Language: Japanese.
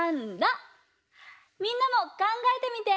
みんなもかんがえてみて！